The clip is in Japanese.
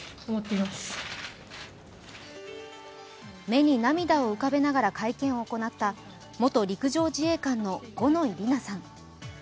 目に涙を浮かべながら会見を行った元陸上自衛官の五ノ井里奈さん。